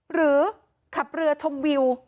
หรือขับเรือชมวิว